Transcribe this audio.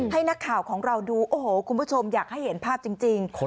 ให้นักข่าวของเราดูโอ้โหคุณผู้ชมอยากให้เห็นภาพจริง